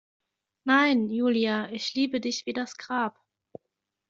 Nein, Julia, ich liebe dich wie das Grab.